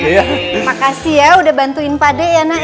terima kasih ya udah bantuin pade ya nak